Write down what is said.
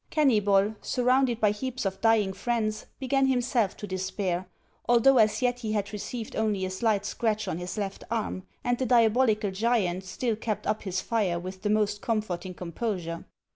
Kennybol, surrounded by heaps of dying friends, be gan himself to despair, although as yet he had received only a slight scratch on his left arm, and the diabolical giant still kept up his fire with the most comforting com posure.